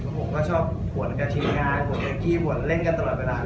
ผมก็ชอบหวนกระทิงงานหวนเกี้ยวหวนเล่นกันตลอดเวลา